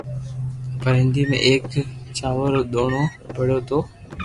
تو ھنڌي ۾ ايڪ چاور رو دوڻو پڙيو تو